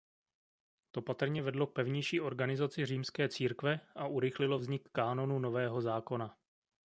To patrně vedlo k pevnější organizaci římské církve a urychlilo vznik kánonu Nového zákona.